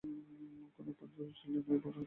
কনক পাল ছিলেন এই রাজবংশের পূর্বপুরুষ।